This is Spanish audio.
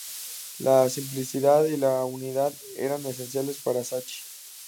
La simplicidad y la unidad eran esenciales para Sacchi.